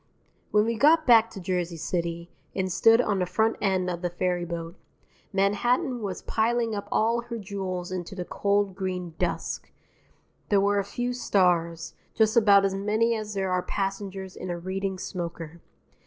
When we got back to Jersey City, and stood on the front end of the ferryboat, Manhattan was piling up all her jewels into the cold green dusk. There were a few stars, just about as many as there are passengers in a Reading smoker.